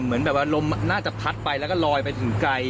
เหมือนแบบว่าลมน่าจะพัดไปแล้วก็ลอยไปถึงไกล